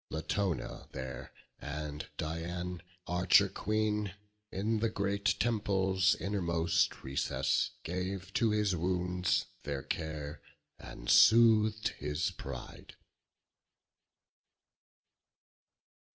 Latona there, and Dian, Archer Queen, In the great temple's innermost recess, Gave to his wounds their care, and sooth'd his pride.